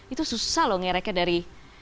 itu susah loh ngereknya dari